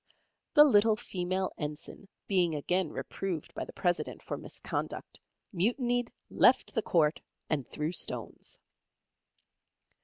(The little female ensign being again reproved by the President for misconduct, mutinied, left the court, and threw stones.)